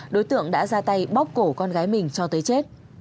đối tượng đã ra tay bóc cổ con gái mình cho tới chết